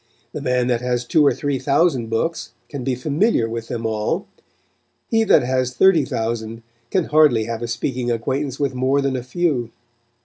The man that has two or three thousand books can be familiar with them all; he that has thirty thousand can hardly have a speaking acquaintance with more than a few.